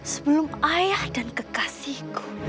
sebelum ayah dan kekasihku